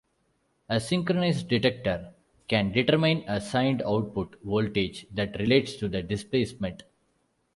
A synchronous detector can determine a signed output voltage that relates to the displacement.